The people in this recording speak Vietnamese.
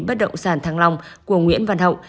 bất động sản thăng long của nguyễn văn hậu